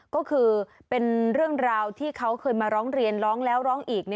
ก็คือเป็นเรื่องราวที่เขาเคยมาร้องเรียนร้องแล้วร้องอีก